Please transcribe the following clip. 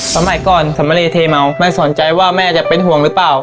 สมัยก่อนสำเรเทเมาไม่สนใจว่าแม่จะเป็นห่วงหรือเปล่า